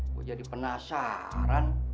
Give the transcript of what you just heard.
gue jadi penasaran